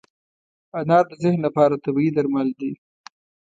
انار د ذهن لپاره طبیعي درمل دی.